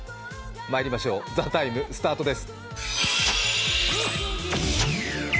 まいりましょう、「ＴＨＥＴＩＭＥ，」スタートです。